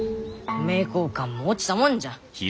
名教館も落ちたもんじゃ。